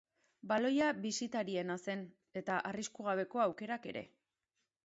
Baloia bisitariena zen eta arrisku gabeko aukerak, ere.